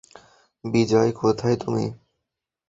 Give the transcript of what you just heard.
বিজয়, কোথায় তুমি?